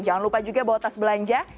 jangan lupa juga bawa tas belanja